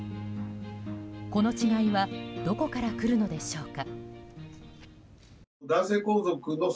この違いはどこから来るのでしょうか。